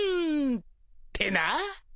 ってな！